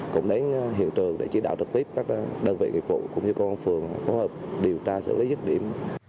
cũng đến hiện trường để chỉ đạo trực tiếp các đơn vị nghiệp vụ cũng như công an phường phối hợp điều tra xử lý dứt điểm